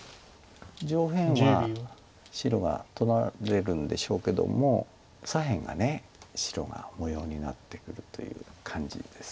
上辺は白が取られるんでしょうけども左辺が白が模様になってくるという感じです。